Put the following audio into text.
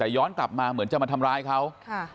แต่ย้อนกลับมาเหมือนจะมาทำร้ายเขา